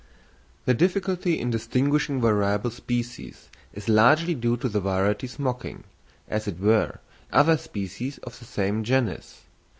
The difficulty in distinguishing variable species is largely due to the varieties mocking, as it were, other species of the same genus.